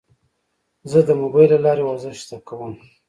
زه د موبایل له لارې ورزش زده کوم.